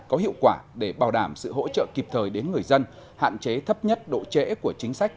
có hiệu quả để bảo đảm sự hỗ trợ kịp thời đến người dân hạn chế thấp nhất độ trễ của chính sách